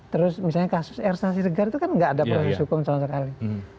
terus misalnya kasus ersasi segar itu kan nggak ada proses hukum sama sekali